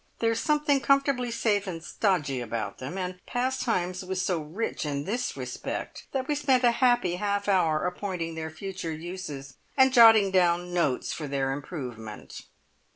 There is something comfortably safe and stodgy about them. And Pastimes was so rich in this respect that we spent a happy half hour appointing their future uses, and jotting down notes for their improvement.